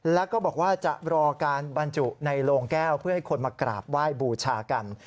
แล้วก็บอกว่าจะรอการบรรจุในโลงแก้วเพื่อให้คนมากราบไหว้บูชากัน